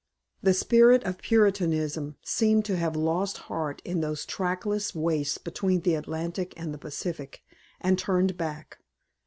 The spirit of Puritanism seemed to have lost heart in those trackless wastes between the Atlantic and the Pacific and turned back.